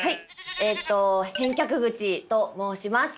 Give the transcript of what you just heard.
えっと返却口と申します。